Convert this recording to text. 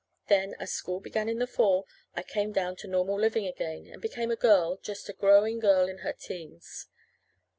Then, as school began in the fall, I came down to normal living again, and became a girl just a growing girl in her teens.